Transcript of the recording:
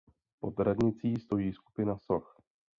Pod radnicí stojí skupina soch.